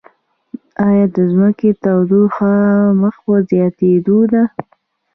ایا د ځمکې تودوخه مخ په زیاتیدو ده؟